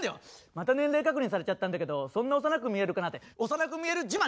また年齢確認されちゃったんだけどそんな幼く見えるかな？って幼く見える自慢してる女子と同じだから！